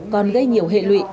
còn gây nhiều hệ lụy